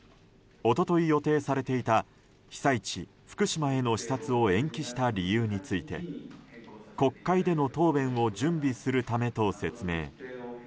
一昨日予定されていた被災地・福島への視察を延期した理由について国会での答弁を準備するためと説明。